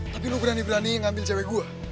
tapi lu berani berani ngambil cewek gue